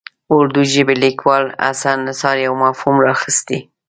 اردو ژبي لیکوال حسن نثار یو مفهوم راخیستی.